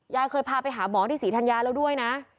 ยายเคยพาไปหาหมอนี่สีแทนยาเร็วด้วยนะ